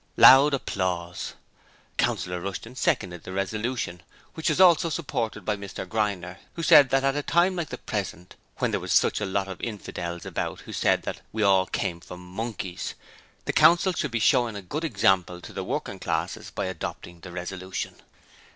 (Loud applause.) Councillor Rushton seconded the resolution, which was also supported by Mr Grinder, who said that at a time like the present, when there was sich a lot of infiddles about who said that we all came from monkeys, the Council would be showing a good example to the working classes by adopting the resolution.